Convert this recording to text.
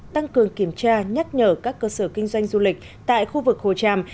tăng cường kiểm tra nhắc nhở các cơ sở kinh doanh du lịch tại khu vực hồ tràm